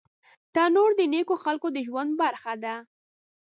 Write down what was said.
تنور د نیکو خلکو د ژوند برخه وه